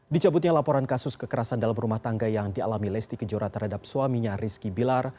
dicabutnya laporan kasus kekerasan dalam rumah tangga yang dialami lesti kejora terhadap suaminya rizky bilar